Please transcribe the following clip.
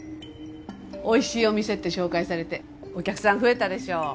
美味しいお店って紹介されてお客さん増えたでしょう？